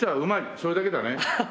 それだけだね。